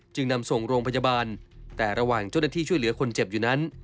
นำส่งโรงพยาบาลแต่ระหว่างเจ้าหน้าที่ช่วยเหลือคนเจ็บอยู่นั้น